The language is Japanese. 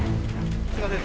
すいません。